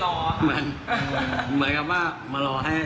เหมือนกับว่ามารอให้